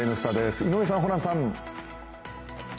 井上さん、ホランさん。